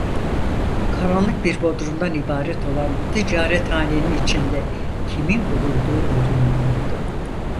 Karanlık bir bodrumdan ibaret olan bu ticarethanenin içinde kimin bulunduğu görülmüyordu.